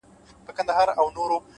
د باران ورو کېدل د سکون احساس زیاتوي؛